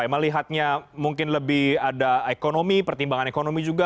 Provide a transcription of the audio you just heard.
melihatnya mungkin lebih ada ekonomi pertimbangan ekonomi juga